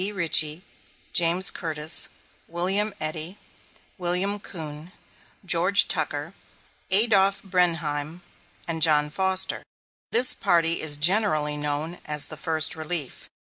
Richey, James Curtis, William Eddy, William Coon, George Tucker, Adolph Brenheim, and John Foster. This party is generally known as the "First Relief."